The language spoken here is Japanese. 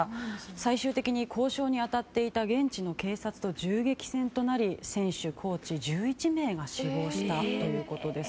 最終的に、交渉に当たっていた現地の警察と銃撃戦となり選手、コーチ１１名が死亡したということです。